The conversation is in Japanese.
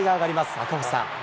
赤星さん。